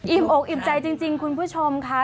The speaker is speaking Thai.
อกอิ่มใจจริงคุณผู้ชมค่ะ